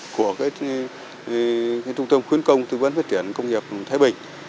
của trung tâm khuyến công tư vấn phát triển công nghiệp thái bình